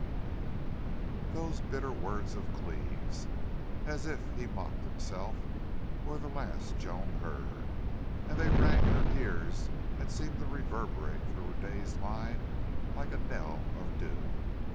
12 Those bitter words of Cleve's, as if he mocked himself, were the last Joan heard, and they rang in her ears and seemed to reverberate through her dazed mind like a knell of doom.